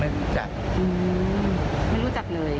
อืมไม่รู้จักเลย